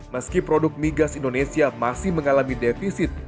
meski produk migas indonesia masih mengalami defisit